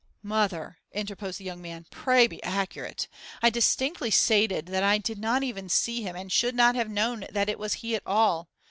'Mother,' interposed the young man, 'pray be accurate. I distinctly stated that I did not even see him, and should not have known that it was he at all.